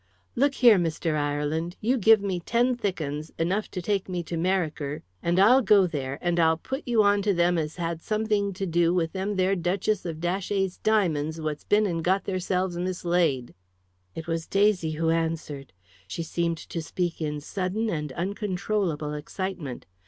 "Look here, Mr. Ireland, you give me ten thick 'uns, enough to take me to 'Merriker; I'll go there, and I'll put you on to them as had something to do with them there Duchess of Datchet's diamonds what's been and got theirselves mislaid." It was Daisy who answered. She seemed to speak in sudden and uncontrollable excitement.